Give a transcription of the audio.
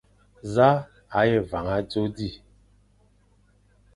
Za a ye van adzo di ?